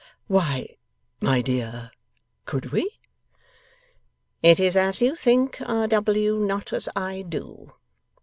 'Why, my dear! Could we?' 'It is as you think, R. W.; not as I do.